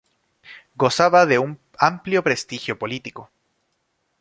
Gozaba de un amplio prestigio político.